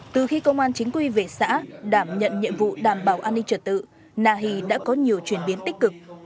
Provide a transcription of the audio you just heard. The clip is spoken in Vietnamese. từ khi công an chính quy về xã đảm nhận nhiệm vụ đảm bảo an ninh trật tự nahi đã có nhiều chuyển biến tích cực